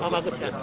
oh bagus ya